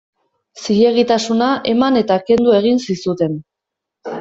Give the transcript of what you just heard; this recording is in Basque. Zilegitasuna eman eta kendu egin zizuten.